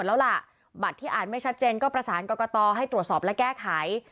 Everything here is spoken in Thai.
แล้วล่ะบัตรที่อ่านไม่ชัดเจนก็ประสานกรกตให้ตรวจสอบและแก้ไข